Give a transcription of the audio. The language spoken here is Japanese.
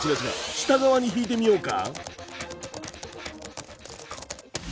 下側に引いてみようか。